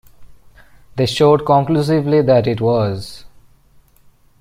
They showed conclusively that it was.